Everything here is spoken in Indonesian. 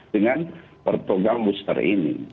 dengan pertogal booster ini